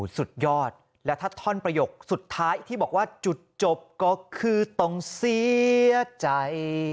สุดยอดและถ้าท่อนประโยคสุดท้ายที่บอกว่าจุดจบก็คือต้องเสียใจ